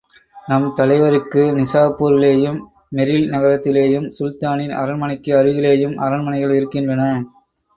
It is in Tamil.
நம் தலைவருக்கு, நிசாப்பூரிலேயும், மெரில் நகரத்திலேயும், சுல்தானின் அரண்மனைக்கு அருகிலேயும் அரண்மனைகள் இருக்கின்றன.